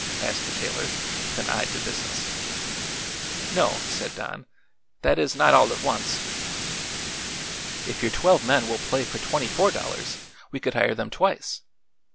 asked the tailor, with an eye to business. "No," said Don; "that is, not all at once. If your twelve men will play for twenty four dollars, we could hire them twice.